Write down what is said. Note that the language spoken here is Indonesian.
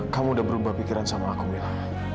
kamu udah berubah pikiran sama aku bilang